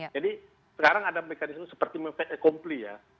jadi sekarang ada mekanisme seperti memperkompli ya